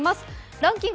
ランキング